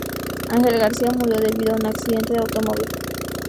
Ángel García murió debido a un accidente de automóvil.